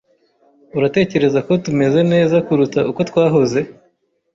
Uratekereza ko tumeze neza kuruta uko twahoze?